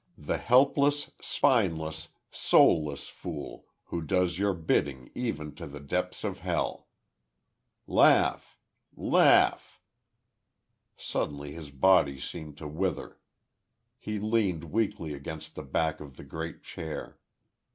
the helpless, spineless, soulless fool who does your bidding even to the depths of hell! Laugh! ... Laugh! ..." Suddenly, his body seemed to wither. He leaned weakly against the back of the great chair....